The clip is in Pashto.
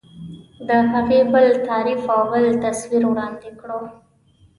د هغې بل تعریف او بل تصویر وړاندې کړو.